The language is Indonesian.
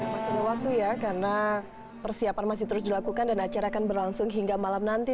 masih ada waktu ya karena persiapan masih terus dilakukan dan acara akan berlangsung hingga malam nanti